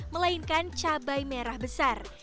melainkan cabai merah besar